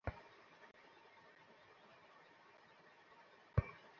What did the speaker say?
সবার নিজস্ব মান বজায় রাখতে হবে, একই সঙ্গে হুঁশ থাকতে হবে।